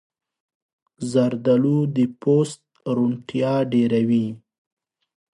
زردالو د پوست روڼتیا ډېروي.